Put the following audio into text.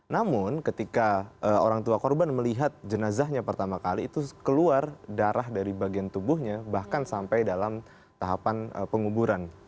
namun ketika orang tua korban melihat jenazahnya pertama kali itu keluar darah dari bagian tubuhnya bahkan sampai dalam tahapan penguburan